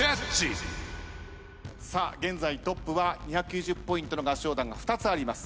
現在トップは２９０ポイントの合唱団が２つあります。